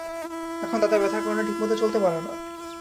এখন দাদা ব্যথার কারণে ঠিকমত চলতে পারে না।